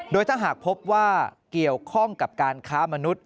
โดยถ้าหากพบว่าเกี่ยวข้องกับการค้ามนุษย